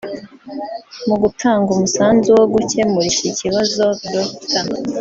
Mu gutanga umusanzu wo gukemura iki kibazo Dr